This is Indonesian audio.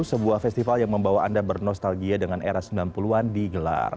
sebuah festival yang membawa anda bernostalgia dengan era sembilan puluh an digelar